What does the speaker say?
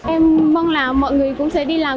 em mong là mọi người cũng sẽ đi làm